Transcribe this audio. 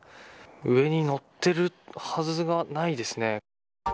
上に乗っているはずがないですね。